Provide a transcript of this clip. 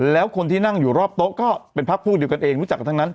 แล้วคนที่นั่งอยู่รอบโต๊ะก็เป็นพักพวกเดียวกันเองรู้จักกันทั้งนั้น